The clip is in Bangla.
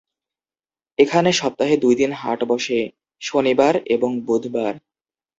এখানে সপ্তাহে দুইদিন হাট বসে, শনিবার এবং বুধবার।